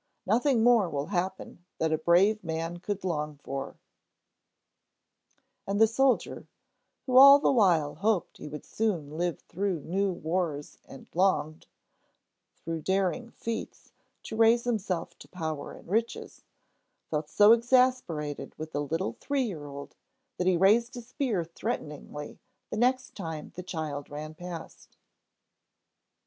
Nothing more will happen that a brave man could long for." And the soldier—who all the while hoped he would soon live through new wars and longed, through daring feats, to raise himself to power and riches—felt so exasperated with the little three year old that he raised his spear threateningly the next time the child ran past.